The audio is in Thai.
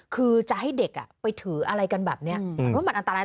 คือจะให้เด็กไปถืออะไรกันแบบเนี้ย